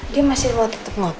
dia masih mau tetap mau